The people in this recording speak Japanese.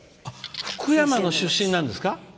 福山の出身なんですか？